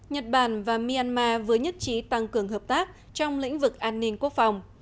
nhiều người đã đặt mắt cho các trừng phạt bị áp dụng trở lại